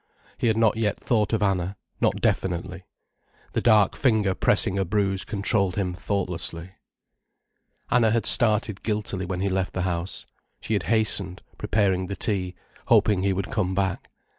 He had not yet thought of Anna, not definitely. The dark finger pressing a bruise controlled him thoughtlessly. Anna had started guiltily when he left the house. She had hastened preparing the tea, hoping he would come back.